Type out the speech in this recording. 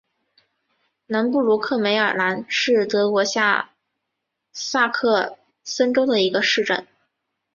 南布罗克梅尔兰是德国下萨克森州的一个市镇。